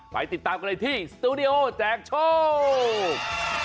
ไปติดตามกันเลยที่สตูดิโอแจกโชค